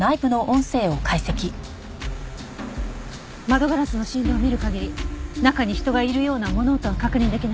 窓ガラスの振動を見る限り中に人がいるような物音は確認できないわ。